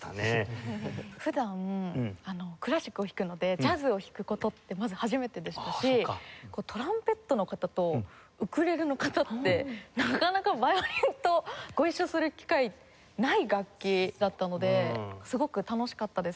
普段クラシックを弾くのでジャズを弾く事ってまず初めてでしたしトランペットの方とウクレレの方ってなかなかヴァイオリンとご一緒する機会ない楽器だったのですごく楽しかったです。